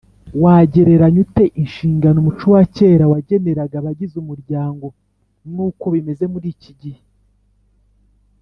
wagereranya ute inshingano umuco wa kera wageneraga abagize umuryango n’uko bimeze muri iki gihe?